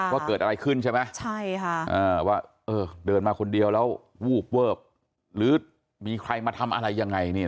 ว่าเกิดอะไรขึ้นใช่ไหมว่าเดินมาคนเดียวแล้ววูบเวอร์หรือมีใครมาทำอะไรยังไง